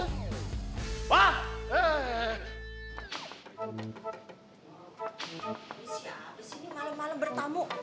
siapa sih ini malem malem bertamu